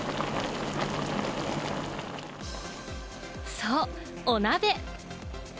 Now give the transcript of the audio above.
そう、お鍋。